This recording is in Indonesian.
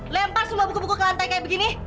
lempar semua buku buku ke lantai kayak begini